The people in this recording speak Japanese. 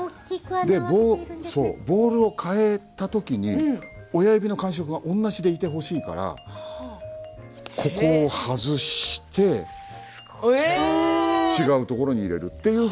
ボールを替えたときに親指の感触が同じでいてほしいからここを外して違うところに入れると。